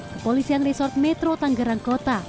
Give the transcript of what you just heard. kepolisian resort metro tanggerang kota